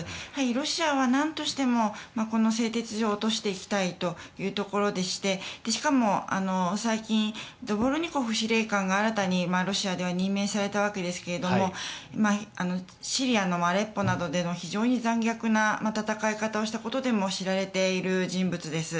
ロシアはなんとしてもこの製鉄所を落としていきたいというところでしてしかも、最近ドボルニコフ司令官が新たにロシアでは任命されたわけですがシリアのアレッポなどでの非常に残虐な戦いをしたことでも知られている人物です。